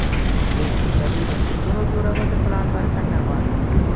د اقتصادي بنسټونو جوړول د پلان برخه نه وه.